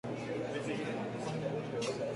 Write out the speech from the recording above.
Su especie tipo es "Nautilus crispus".